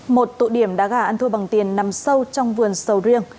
một tụ điểm đá gà ăn thua bằng tiền nằm sâu trong vườn sầu riêng